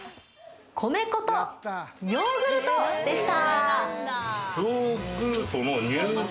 米粉とヨーグルトでした。